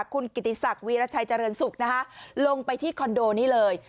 คุณกิติศักดิรชัยเจริญสุขนะคะลงไปที่คอนโดนี้เลย